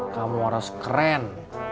kamu harus keren